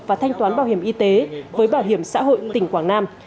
và thanh toán bảo hiểm y tế với bảo hiểm xã hội tỉnh quảng nam